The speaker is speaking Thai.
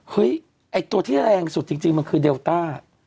ไอ้ตัวที่แรงสุดจริงมันคือเดลต้า